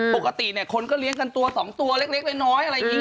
ปกติเนี่ยคนก็เลี้ยงกันตัว๒ตัวเล็กน้อยอะไรอย่างนี้